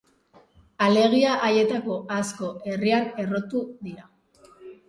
Alegia haietako asko herrian errotu dira.